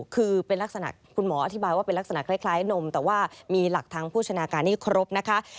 คือเป็นลักษณะคุณหมออธิบายว่าเป็นลักษณะคล้ายนมแต่ว่ามีหลักทางโภชนาการนี้ครบนะคะ